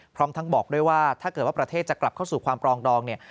พร้อมทั้งบอกด้วยว่าถ้าเกิดว่าประเทศจะกลับเข้าสู่ความปรองดองเนี่ย